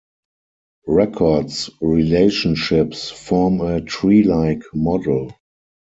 Records' relationships form a treelike model.